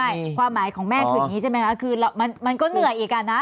ใช่ความหมายของแม่คืออย่างนี้ใช่ไหมคะคือมันก็เหนื่อยอีกอ่ะนะ